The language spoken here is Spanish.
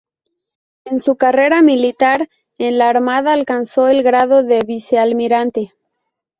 En su carrera militar en la Armada alcanzó el grado de vicealmirante.